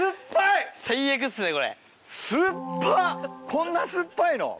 こんな酸っぱいの？